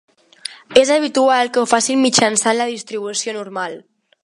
És habitual que ho facin mitjançant la distribució normal.